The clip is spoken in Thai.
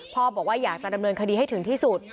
บอกว่าอยากจะดำเนินคดีให้ถึงที่สุด